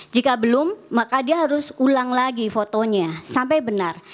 jika belum maka dia harus ulang lagi fotonya sampai benar